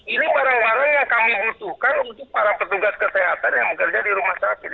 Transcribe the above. ini barang barang yang kami butuhkan untuk para petugas kesehatan yang bekerja di rumah sakit